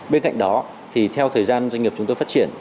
bên cạnh đó thì theo thời gian doanh nghiệp chúng tôi phát triển